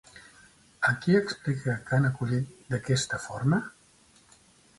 A qui explica que han acollit d'aquesta forma?